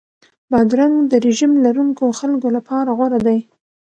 بادرنګ د رژیم لرونکو خلکو لپاره غوره دی.